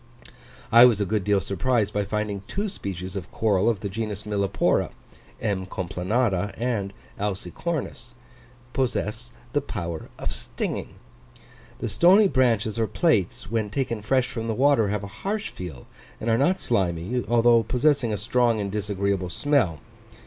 I was a good deal surprised by finding two species of coral of the genus Millepora (M. complanata and alcicornis), possessed of the power of stinging. The stony branches or plates, when taken fresh from the water, have a harsh feel and are not slimy, although possessing a strong and disagreeable smell.